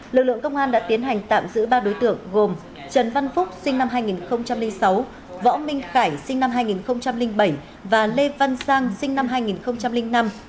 lực lượng công an đã tiến hành tạm giữ ba đối tượng gồm trần văn phúc sinh năm hai nghìn sáu võ minh khải sinh năm hai nghìn bảy và lê văn sang sinh năm hai nghìn năm